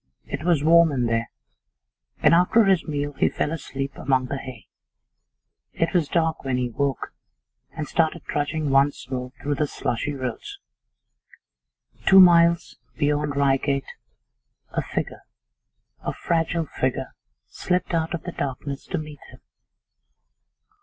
It was warm in there, and after his.meal he fell asleep among the hay. It was dark when he woke, and started trudging once more through the slushy roads. Two miles beyond Reigate a figure, a fragile figure, slipped out of the darkness to meet him.